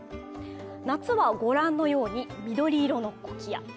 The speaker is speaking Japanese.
夏はご覧のように緑色のコキア。